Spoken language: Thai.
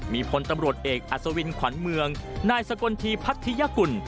มีพลตำรวจเอกอัศวินขวัญเมืองนายสกลทีพัทยกุล